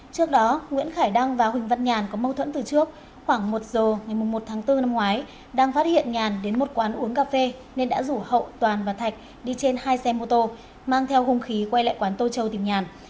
trước đó nguyễn khải đăng và huỳnh văn nhàn có mâu thuẫn từ trước khoảng một giờ ngày một tháng bốn năm ngoái đăng phát hiện nhàn đến một quán uống cà phê nên đã rủ hậu toàn và thạch đi trên hai xe mô tô mang theo hung khí quay lại quán tô châu tìm nhàn